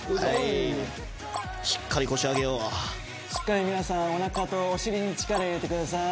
しっかり腰上げようしっかり皆さんおなかとお尻に力入れてください